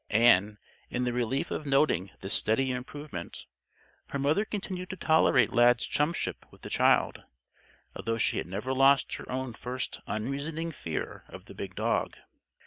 And, in the relief of noting this steady improvement, her mother continued to tolerate Lad's chumship with the child, although she had never lost her own first unreasoning fear of the big dog.